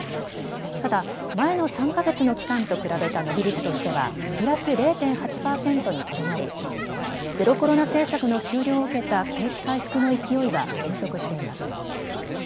ただ前の３か月の期間と比べた伸び率としてはプラス０．８％にとどまり、ゼロコロナ政策の終了を受けた景気回復の勢いは減速しています。